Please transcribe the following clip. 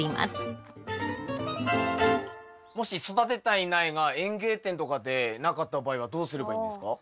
もし育てたい苗が園芸店とかでなかった場合はどうすればいいんですか？